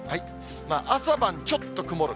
朝晩、ちょっと曇る。